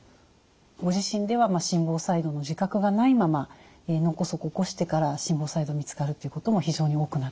ご自身では心房細動の自覚がないまま脳梗塞を起こしてから心房細動が見つかるということも非常に多くなってます。